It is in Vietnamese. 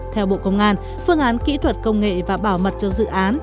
theo bộ công an phương án kỹ thuật công nghệ và bảo mật cho dự án